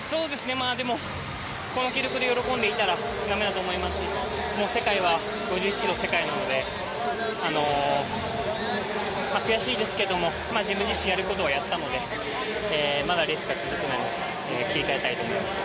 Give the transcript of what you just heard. でも、この記録で喜んでいたらだめだと思いますし世界は５１秒の世界なので悔しいですけども自分自身、やることはやったのでまだレースが続くので切り替えたいと思います。